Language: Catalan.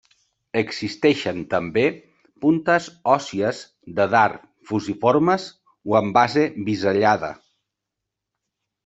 Existeixen també puntes òssies de dard fusiformes o amb base bisellada.